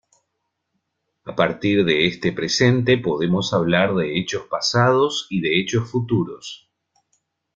A partir de este presente podemos hablar de hechos pasados y de hechos futuros.